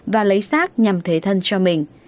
và lấy xác nhằm thế thân cho minh